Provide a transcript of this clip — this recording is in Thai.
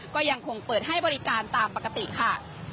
ก็ยังคงเปิดให้บริการตามปกติค่ะ